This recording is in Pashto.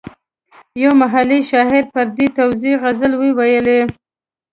یو محلي شاعر پر دې توزېع غزل ویلی.